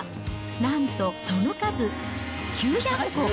なんとその数９００個。